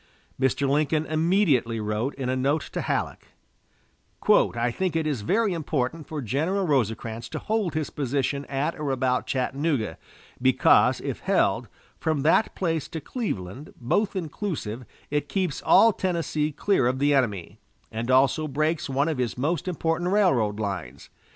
Mr. Lincoln immediately wrote in a note to Halleck: "I think it very important for General Rosecrans to hold his position at or about Chattanooga, because, if held, from that place to Cleveland, both inclusive, it keeps all Tennessee clear of the enemy, and also breaks one of his most important railroad lines....